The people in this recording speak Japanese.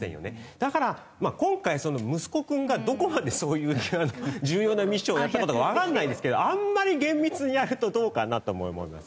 だから今回息子君がどこまでそういう重要なミッションをやったかどうかわかんないですけどあんまり厳密にやるとどうかなとも思います。